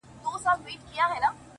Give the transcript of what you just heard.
o ه ستا د سترگو احترام نه دی؛ نو څه دی؛